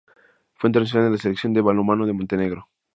Fue internacional con la Selección de balonmano de Montenegro.